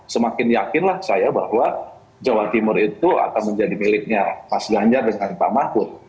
semakin yakinlah saya bahwa jawa timur itu akan menjadi miliknya mas ganjar dengan pak mahfud